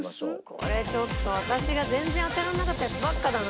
「これちょっと私が全然当てられなかったやつばっかだな」